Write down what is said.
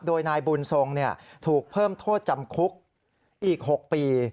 โดยนายบุญทรงถูกเพิ่มโทษจำคุกอีก๖ปี